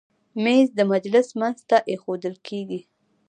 مېز د مجلس منځ ته ایښودل کېږي.